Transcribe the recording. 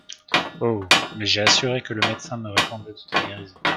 Oh ! mais, j’ai assuré que le médecin me répondait de ta guérison.